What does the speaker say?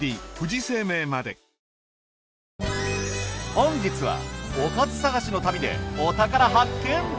本日はおかず探しの旅でお宝発見！